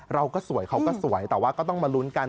เราก็สวยเขาก็สวยแต่ว่าก็ต้องมาลุ้นกัน